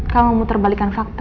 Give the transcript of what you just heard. kau mau muterbalikan fakta